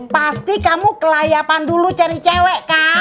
pasti kamu ke layapan dulu cari cewek kan